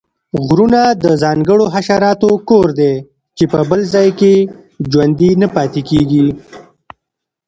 غرونه د ځانګړو حشراتو کور دی چې په بل ځاې کې ژوندي نه پاتیږي